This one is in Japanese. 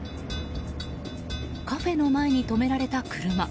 カフェの前に止められた車。